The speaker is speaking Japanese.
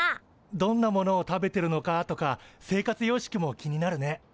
どんなものを食べてるのかとか生活様式も気になるね。